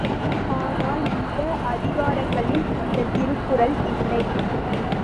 ஆனால் இந்த அதிகாரங்களில் இந்தத் திருக்குறள் இல்லை!